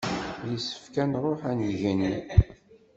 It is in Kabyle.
Yessefk ad nṛuḥ ad ngen.